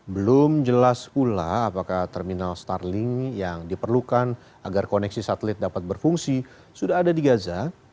belum jelas pula apakah terminal starling yang diperlukan agar koneksi satelit dapat berfungsi sudah ada di gaza